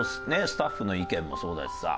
スタッフの意見もそうだしさ